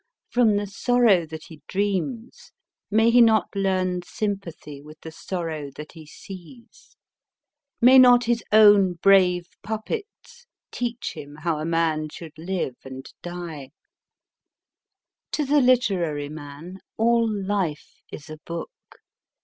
From the sorrow that he dreams, may he not learn sympathy with the sorrow that he sees ? May not his own brave puppets teach him how a man should live and die? JEROME K. JEROME 237 To the literary man, all life is a book.